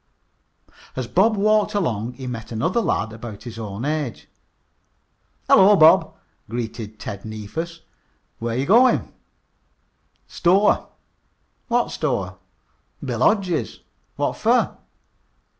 As Bob walked along he met another lad about his own age. "Hello, Bob," greeted Ted Neefus. "Where you goin'?" "Store." "What store?" "Bill Hodge's." "What fer?"